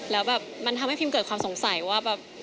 แล้วแบบมันทำให้พิมเกิดความสงสัยว่าแบบ